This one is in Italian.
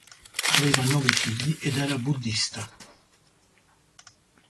Aveva nove figli ed era buddhista.